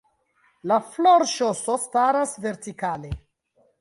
La florŝoso staras vertikale.